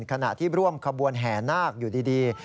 ขณะที่ร่วมขบวนแห่นาคอยู่ดี